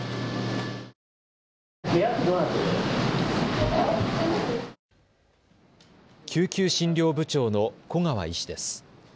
救急診療部長の古川医師です。